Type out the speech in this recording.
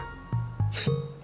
フッ。